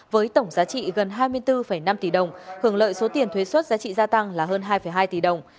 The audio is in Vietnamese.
với tổng giá trị gần hai mươi bốn năm tỷ đồng hưởng lợi số tiền thuế xuất giá trị gia tăng là hơn hai hai tỷ đồng